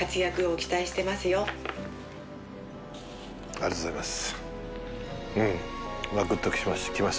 ありがとうございます。